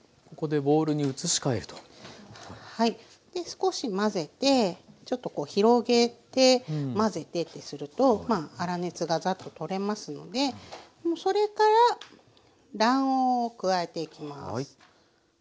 少し混ぜてちょっとこう広げて混ぜてってするとまあ粗熱がザッと取れますのでそれから卵黄を加えていきます。